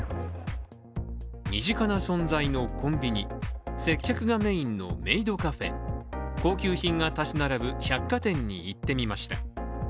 身近な存在のコンビニ、接客がメインのメイドカフェ、高級品が建ち並ぶ百貨店に行ってみました。